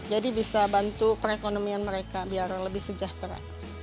jadi bisa bantu perekonomian mereka biar lebih sejahtera